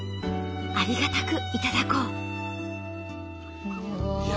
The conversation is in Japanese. ありがたく頂こう。